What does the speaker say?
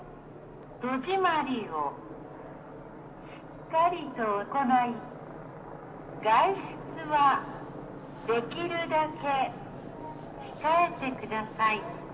戸締まりをしっかりと行い、外出はできるだけ控えてください。